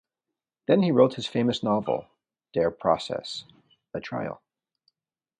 Then he wrote his famous novel "Der Process" ("The trial").